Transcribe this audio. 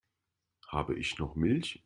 Habe ich noch Milch?